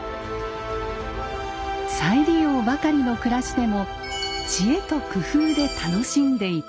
再利用ばかりの暮らしでも知恵と工夫で楽しんでいた。